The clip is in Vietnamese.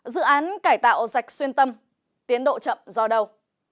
dự án cải tạo rạch xuyên tâm tiến độ chậm do đâu